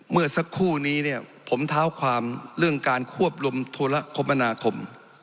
เมื่อสักครู่นี้เนี่ยผมเท้าความเรื่องการควบรวมโทรคมนาคม